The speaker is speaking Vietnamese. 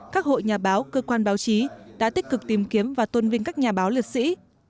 các hội nhà báo cơ quan báo chí đã tích cực tìm kiếm và tôn vinh các nhà báo liệt sĩ